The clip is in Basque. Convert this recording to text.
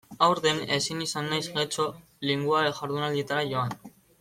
Aurten ezin izan naiz Getxo Linguae jardunaldietara joan.